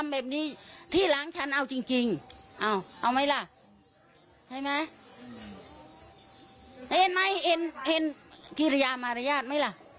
เห็นไหมเอ็นกิริยามารยาทไหมล่ะ